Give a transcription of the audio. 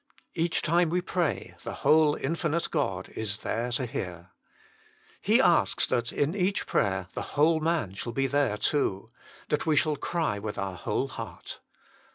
Each time we pray the whole Infinite God is there to hear. He asks that in each prayer the whole man shall be there too ; that we shall cry with our whole heart.